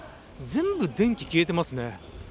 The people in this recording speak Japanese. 全部、電気消えていますね。